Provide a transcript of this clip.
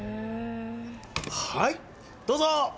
はいどうぞ！